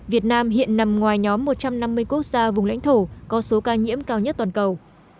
việt nam hiện nằm ngoài nhóm một trăm năm mươi quốc gia vùng lãnh thổ có số ca nhiễm cao nhất toàn cầu